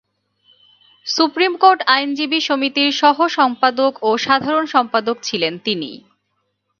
Supreme court আইনজীবী সমিতির সহ-সম্পাদক ও সাধারণ সম্পাদক ছিলেন তিনি।